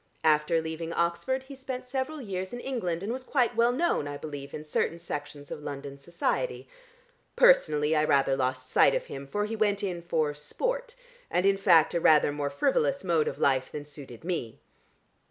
After leaving Oxford he spent several years in England, and was quite well known, I believe, in certain sections of London Society. Personally I rather lost sight of him, for he went in for sport and, in fact, a rather more frivolous mode of life than suited me.